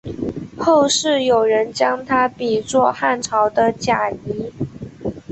后世有人将他比作汉朝的贾谊。